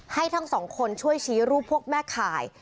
ทั้งสองคนช่วยชี้รูปพวกแม่ข่าย